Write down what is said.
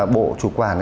bộ chủ quản